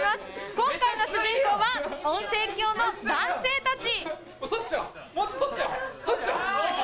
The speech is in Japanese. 今回の主人公は、温泉郷の男性たち。